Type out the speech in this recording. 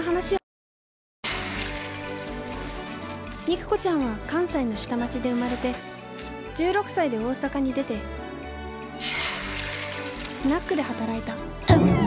肉子ちゃんは関西の下町で生まれて１６歳で大阪に出てスナックで働いた。